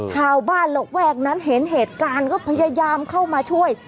ชาวบ้านระแวกนั้นเห็นเหตุการณ์ก็พยายามเข้ามาช่วย